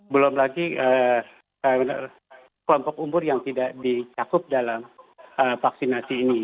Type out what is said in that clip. belum lagi kelompok umur yang tidak dicakup dalam vaksinasi ini